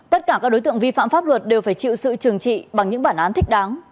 tất cả các đối tượng vi phạm pháp luật đều phải chịu sự trừng trị bằng những bản án thích đáng